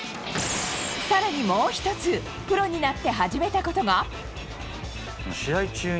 さらにもう一つ、プロになって始めたことが。